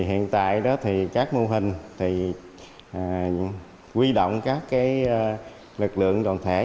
hiện tại các mô hình quy động các lực lượng đoàn thể